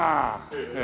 ええ？